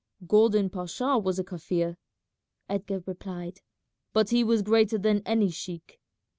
"Gordon Pasha was a Kaffir," Edgar replied, "but he was greater than any sheik."